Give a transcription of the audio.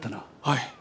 はい。